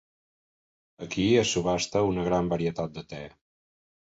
Aquí es subhasta una gran varietat de te.